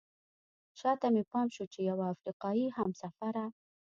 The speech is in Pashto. شاته مې پام شو چې یوه افریقایي همسفره.